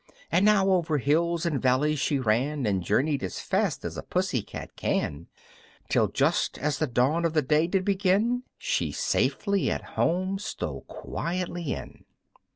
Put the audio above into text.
And now over hills and valleys she ran, And journeyed as fast as a Pussy cat can; Till just as the dawn of the day did begin She, safely at home, stole quietly in.